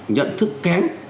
nhận thức kén